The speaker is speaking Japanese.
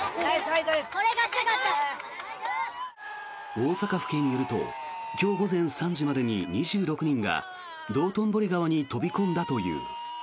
大阪府警によると今日午前３時までに２６人が道頓堀川に飛び込んだという。